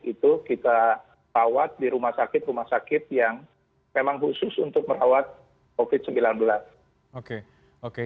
itu kita rawat di rumah sakit rumah sakit yang memang khusus untuk merawat covid sembilan belas